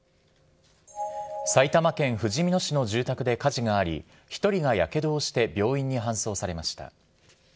埼玉県ふじみ野市の住宅で火事があり、１人がやけどをして病院に搬送されました。